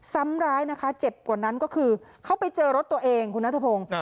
ซ้ำร้ายนะคะเจ็บกว่านั้นก็คือเขาไปเจอรถตัวเองคุณนัทพงศ์